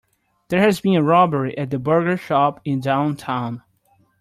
There has been a robbery at the burger shop in downtown.